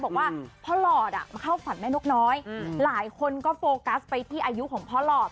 บอกว่าพ่อหลอดเข้าฝันแม่นกน้อยหลายคนก็โฟกัสไปที่อายุของพ่อหลอด